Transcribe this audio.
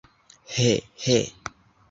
He, he!